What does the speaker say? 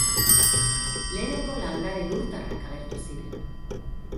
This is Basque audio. Lehenengo landare lurtarrak agertu ziren.